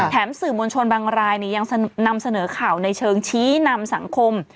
สื่อมวลชนบางรายยังนำเสนอข่าวในเชิงชี้นำสังคม